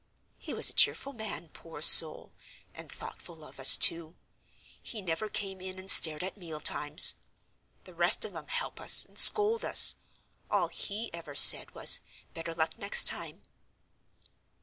"He was a cheerful man, poor soul; and thoughtful of us, too: he never came in and stared at meal times; the rest of 'em help us, and scold us—all he ever said was, better luck next time."